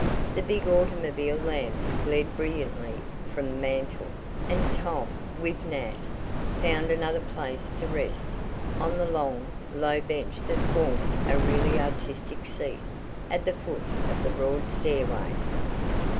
The big automobile lamps glared brilliantly from the mantel, and Tom, with Nat, found another place to rest on the long, low bench that formed a really artistic seat at the foot of the broad stairway.